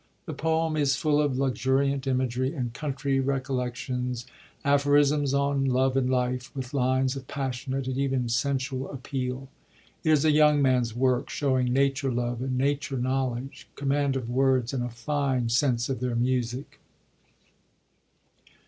The poem is full of luxuriant imagery, and country recollections, aphorisms on love and life, with lines of passionate and even sensual appeal. It is a young man's work, showing nature love and nature knowledge, command of words, and a fine sense of their music.